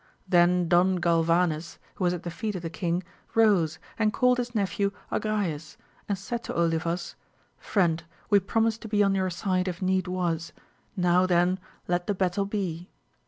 Then Don Galvanes, who was at the feet of the king, rose, and called his nephew Agrayes, and said to Olivas, Friend, we promised to be on your side if need was : now. then let the battle be.